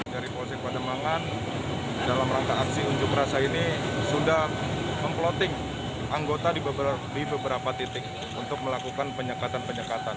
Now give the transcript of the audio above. dari polsek pademangan dalam rangka aksi unjuk rasa ini sudah memploting anggota di beberapa titik untuk melakukan penyekatan penyekatan